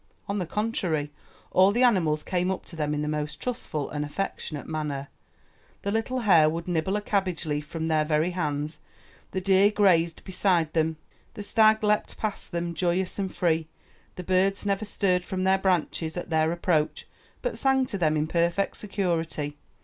On the contrary, all the animals came up to them in the most trustful and affectionate manner. The little hare would nibble a cabbage leaf from their very hands; the deer grazed beside them; the stag leaped past them joyous and free, the birds never stirred from their branches at their approach, but sang to them in perfect security.